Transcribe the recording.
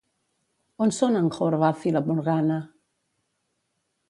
On són en Horvath i la Morgana?